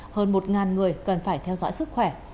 hơn một người cần phải theo dõi sức khỏe